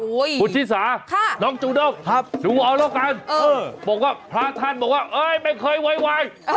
โอ๊ยคุณธิสาน้องจูนกหลุงอรกันบอกว่าพระท่านบอกว่าไม่เคยโวยวาย